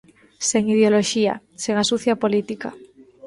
Sen ideoloxía, sen a sucia política.